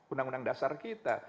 undang undang dasar kita